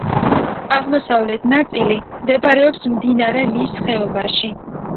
აღმოსავლეთი ნაწილი მდებარეობს მდინარე ლის ხეობაში.